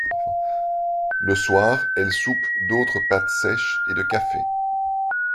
Le soir, elle soupe d'autres pâtes sèches et de café.